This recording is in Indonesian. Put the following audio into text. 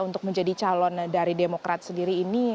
untuk menjadi calon dari demokrat sendiri ini